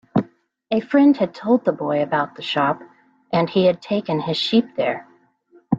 A friend had told the boy about the shop, and he had taken his sheep there.